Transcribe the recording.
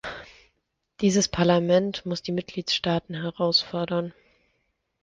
Dieses Parlament muss die Mitgliedstaaten herausfordern.